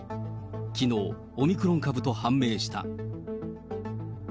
きのう、オミクロン株と判明した。